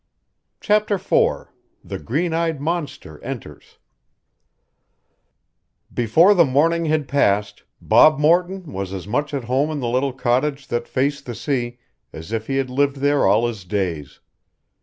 CHAPTER IV THE GREEN EYED MONSTER ENTERS Before the morning had passed Bob Morton was as much at home in the little cottage that faced the sea as if he had lived there all his days.